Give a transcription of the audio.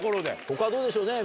他どうでしょうね